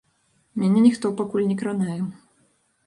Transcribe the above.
Мяне ніхто пакуль не кранае.